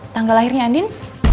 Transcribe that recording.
tanggal lahirnya andin